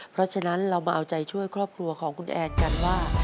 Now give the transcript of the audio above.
เพราะฉะนั้นเรามาเอาใจช่วยครอบครัวของคุณแอนกันว่า